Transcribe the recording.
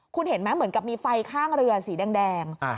คุณเห็นไหมเหมือนกับมีไฟข้างเรือสีแดง